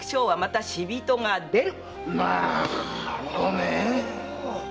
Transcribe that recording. なるほどねぇ。